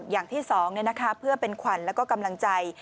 อย่างที่สองนะคะเพื่อเป็นขวัญและก็กำลังใจ